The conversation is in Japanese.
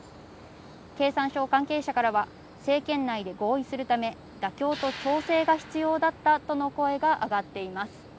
経産省関係者からは政権内で合意するため妥協と調整が必要だったとの声があがっています。